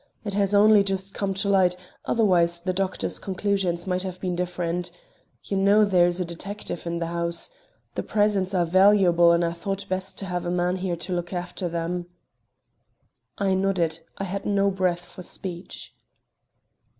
It has only just come to light; otherwise, the doctors' conclusions might have been different. You know there is a detective in the house. The presents are valuable and I thought best to have a man here to look after them." I nodded; I had no breath for speech.